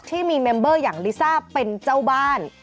ที่มีเมมเบอร์อย่างลิซ่าเป็นเจ้าบ้าน